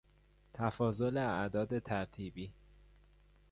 تفاضل اعداد ترتیبی